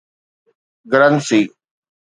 Guernsey